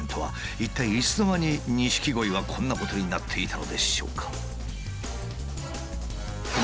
一体いつの間に錦鯉はこんなことになっていたのでしょうか。